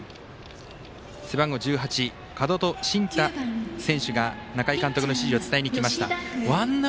背番号１８角戸信太選手が中井監督の指示を伝えにきました。